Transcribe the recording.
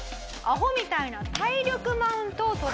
アホみたいな体力マウントを取られる。